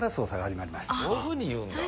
そういうふうに言うんだ。